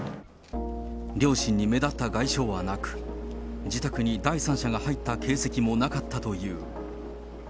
両親に目立った外傷はなく、自宅に第三者が入った形跡もなかったという。